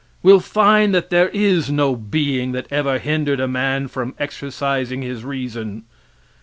We'll find that there is no being that ever hindered a man from exercising his reason.